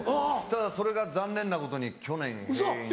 ただそれが残念なことに去年閉園。